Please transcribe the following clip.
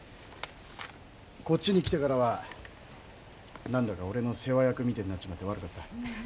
こっちに来てからは何だか俺の世話役みてえになっちまって悪かった。